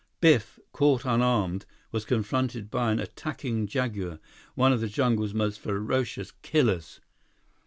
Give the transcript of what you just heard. Biff, caught unarmed, was confronted by an attacking jaguar, one of the jungle's most ferocious killers.